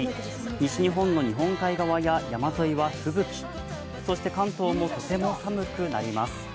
西日本の日本海側や山沿いは風吹き、そして関東もとても寒くなります。